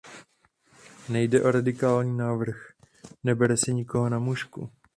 Nejde o radikální návrh, nebere si nikoho na mušku.